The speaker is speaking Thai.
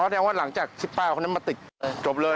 อ๋อแน่งว่าหลังจากชิบป้าคนนั้นมาติดจบเลย